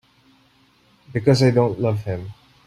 Because I don't love him.